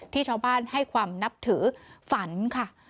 ที่ชาวบ้านให้ความนับถือฝันค่ะ